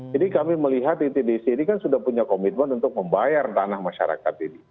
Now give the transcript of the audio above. jadi kami melihat itdc ini kan sudah punya komitmen untuk membayar tanah masyarakat